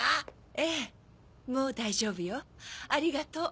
ええもう大丈夫よありがとう。